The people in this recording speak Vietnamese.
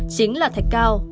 chính là thạch cao